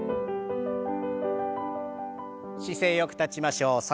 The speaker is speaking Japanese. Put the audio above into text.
姿勢よく立ちましょう。